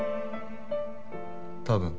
多分。